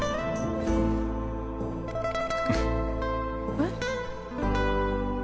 えっ？